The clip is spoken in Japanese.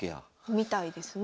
みたいですね。